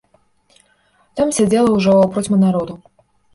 Там сядзела ўжо процьма народу.